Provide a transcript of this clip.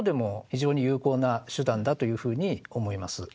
非常に有効な手段だというふうに思います。